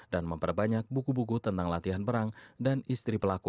memperbanyak buku buku tentang latihan perang dan istri pelaku